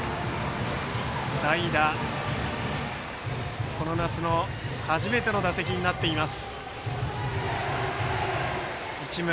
代打の市村は、この夏初めての打席になっています。